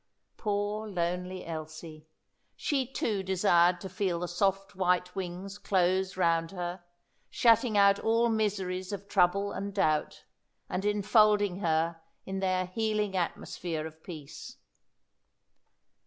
Poor lonely Elsie! She, too, desired to feel the soft, white wings close round her, shutting out all miseries of trouble and doubt, and enfolding her in their healing atmosphere of peace.